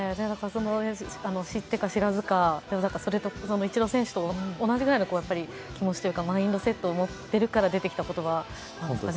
知ってか知らずか、イチロー選手と同じぐらいの気持ちというか、マインドセットを持っているから出てきた言葉なんですね。